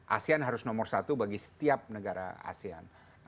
asean harus nomor satu bagi setiap negara asean